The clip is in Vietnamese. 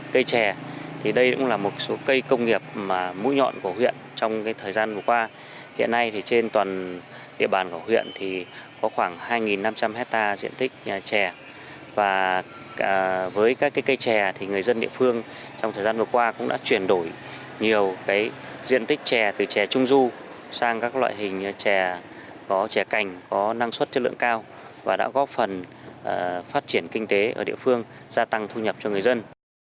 cây trè có khoảng hai năm trăm linh hectare diện tích trè với các cây trè người dân địa phương trong thời gian vừa qua cũng đã chuyển đổi nhiều diện tích trè từ trè trung du sang các loại hình trè có trè cành có năng suất chất lượng cao và đã góp phần phát triển kinh tế ở địa phương gia tăng thu nhập cho người dân